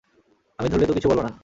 আমি ধরলে তো কিছু বলো না।